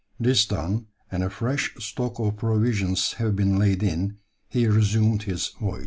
This done and a fresh stock of provisions having been laid in, he resumed his voyage.